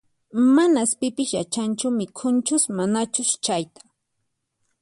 Manas pipis yachanchu mikhunchus manachus chayta